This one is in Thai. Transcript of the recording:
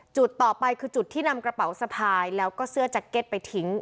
จุดต่อไปคือจุดที่นำกระเป๋าสะพายแล้วก็เสื้อแจ็คเก็ตไปทิ้ง